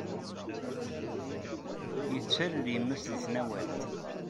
Yettalel yemma-s deg tenwalt.